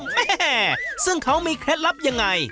เมฮ่ซึ่งเขามีเคล็ดลับอย่างไร